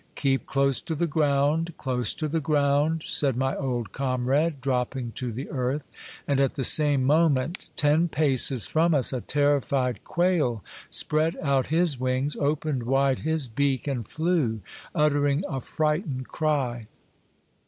Keep close to the ground, close to the ground," said my old comrade, dropping to the earth ; and at the same moment, ten paces from us a terrified quail spread out his wings, opened wide his beak, and flew, uttering a frightened cry.